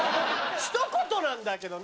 ひと言なんだけどね。